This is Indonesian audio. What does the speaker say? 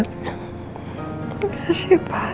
terima kasih pak